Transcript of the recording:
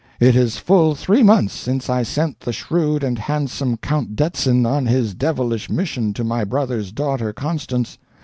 It is full three months since I sent the shrewd and handsome Count Detzin on his devilish mission to my brother's daughter Constance.